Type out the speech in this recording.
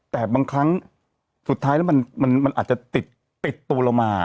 แต่บางครั้งสุดท้ายแล้วมันอาจจะติดตัวเรามา